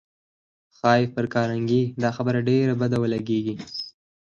ښایي پر کارنګي دا خبره ډېره بده ولګېږي